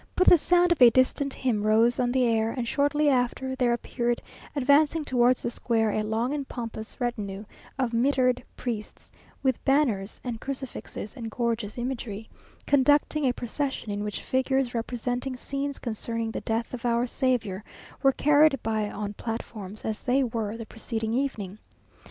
But the sound of a distant hymn rose on the air, and shortly after there appeared, advancing towards the square, a long and pompous retinue of mitred priests, with banners and crucifixes and gorgeous imagery, conducting a procession in which figures representing scenes concerning the death of our Saviour, were carried by on platforms, as they were the preceding evening.